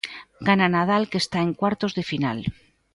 Gana Nadal que está en cuartos de final.